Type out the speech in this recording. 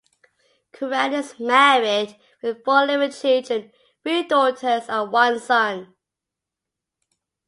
Curran is married with four living children, three daughters and one son.